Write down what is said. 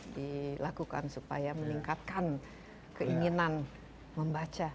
dilakukan supaya meningkatkan keinginan membaca